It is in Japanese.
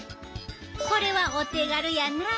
これはお手軽やなあ。